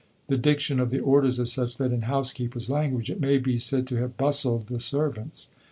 The diction of the orders is such that, in housekeeper's language, it may be said to have 'bustled the servants.'"